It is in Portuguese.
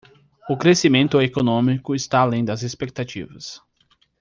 O crescimento econômico está além das expectativas